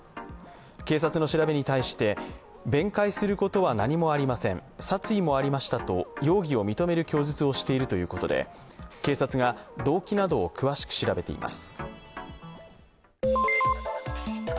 警察の調べに対して弁解することは何もありません、殺意もありましたと容疑を認める供述をしているということで警察が動機などを詳しく調べています。